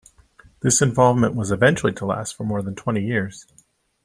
This involvement was eventually to last for more than twenty years.